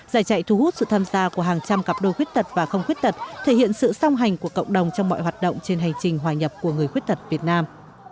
giải chạy thu hút sự tham gia của hàng trăm cặp đôi khuyết tật và không khuyết tật thể hiện sự song hành của cộng đồng trong mọi hoạt động trên hành trình hòa nhập của người khuyết tật việt nam